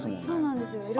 そうなんですよ。